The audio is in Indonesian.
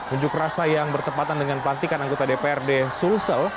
unjuk rasa yang bertepatan dengan pelantikan anggota dprd sulsel